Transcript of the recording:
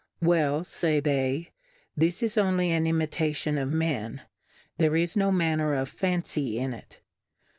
Well, fay they, this is only an Imitation of Men, there is no manner of Fancy in it.